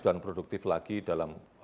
dan produktif lagi dalam